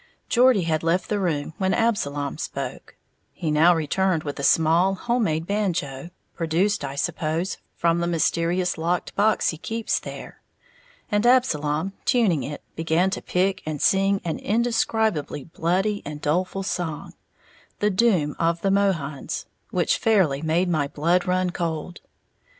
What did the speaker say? Geordie had left the room when Absalom spoke; he now returned with a small, homemade banjo produced, I suppose, from the mysterious locked box he keeps there and Absalom, tuning it, began to pick and sing an indescribably bloody and doleful song, "The Doom of the Mohuns," which fairly made my blood run cold.